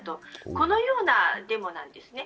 このようなデモなんですね。